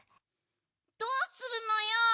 どうするのよ。